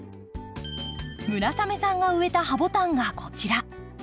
村雨さんが植えたハボタンがこちら。